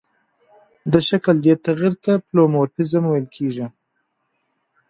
د شکل دې تغیر ته پلئومورفیزم ویل کیږي.